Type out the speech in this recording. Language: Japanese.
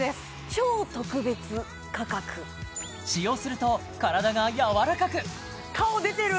超特別価格使用すると体がやわらかく顔出てる！